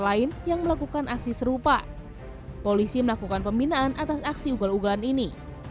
lain yang melakukan aksi serupa polisi melakukan pembinaan atas aksi ugal ugalan ini